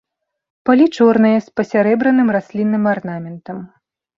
Палі чорныя з пасярэбраным раслінным арнаментам.